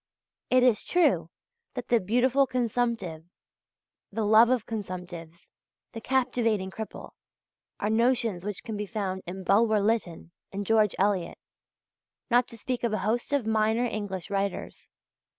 It is true that the "beautiful consumptive," the "love of consumptives," the "captivating cripple," are notions which can be found in Bulwer Lytton and George Eliot, not to speak of a host of minor English writers.